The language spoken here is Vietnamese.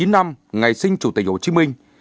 một trăm hai mươi chín năm ngày sinh chủ tịch hồ chí minh